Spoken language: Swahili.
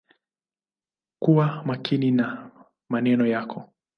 Kuwa makini na maneno yako.